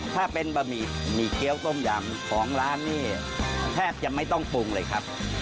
ถ้าเป็นบะหมี่หมี่เกี้ยวต้มยำของร้านนี่แทบจะไม่ต้องปรุงเลยครับ